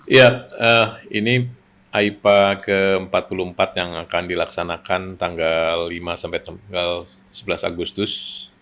ya ini aipa ke empat puluh empat yang akan dilaksanakan tanggal lima sampai tanggal sebelas agustus